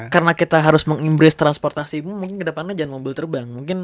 karena kita harus mengimpras transportasi umum mungkin ke depannya jangan mobil terbang mungkin